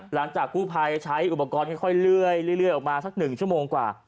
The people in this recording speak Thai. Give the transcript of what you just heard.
หลังจากกู้ภัยใช้อุปกรณ์ค่อยเลื่อยออกมาสัก๑ชั่วโมงกว่า